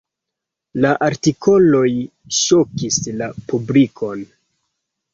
La artikoloj ŝokis la publikon.